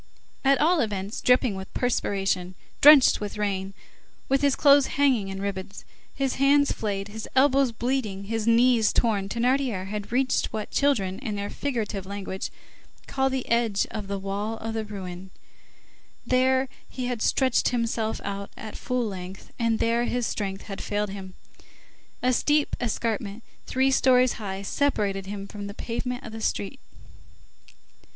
_" At all events, dripping with perspiration, drenched with rain, with his clothes hanging in ribbons, his hands flayed, his elbows bleeding, his knees torn, Thénardier had reached what children, in their figurative language, call the edge of the wall of the ruin, there he had stretched himself out at full length, and there his strength had failed him. A steep escarpment three stories high separated him from the pavement of the street.